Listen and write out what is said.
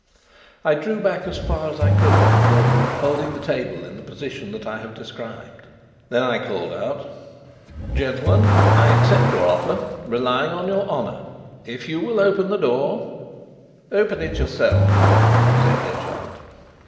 I drew back as far as I could from the door, holding the table in the position that I have described. Then I called out: "Gentlemen, I accept your offer, relying on your honour. If you will open the door " "Open it yourself," said Detchard.